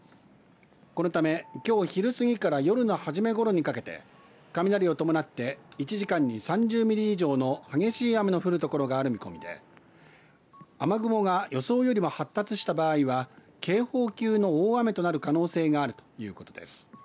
このため、きょう昼過ぎから夜の初めごろにかけて雷を伴って１時間に３０ミリ以上の激しい雨の降る所がある見込みで雨雲が予想よりも発達した場合は警報級の大雨となる可能性があるということです。